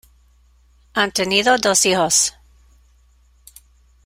Han tenido dos hijos.